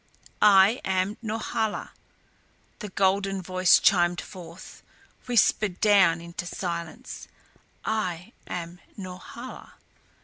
"I am Norhala," the golden voice chimed forth, whispered down into silence. "I am Norhala."